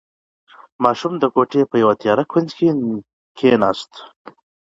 ماشوم د کوټې په یوه تیاره کونج کې کېناست.